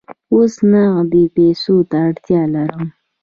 اوس نغدو پیسو ته اړتیا لرم.